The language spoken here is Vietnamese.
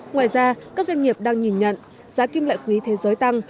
ngoài ra các doanh nghiệp đang nhìn nhận giá kim loại quý thế giới tăng